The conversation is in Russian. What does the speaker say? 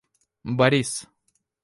Борис